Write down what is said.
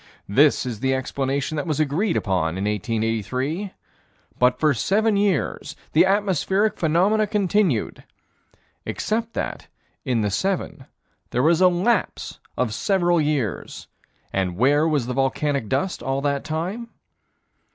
This is the explanation that was agreed upon in 1883 But for seven years the atmospheric phenomena continued Except that, in the seven, there was a lapse of several years and where was the volcanic dust all that time?